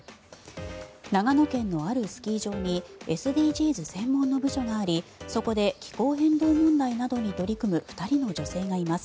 長野県のあるスキー場にＳＤＧｓ専門の部署がありそこで気候変動問題などに取り組む２人の女性がいます。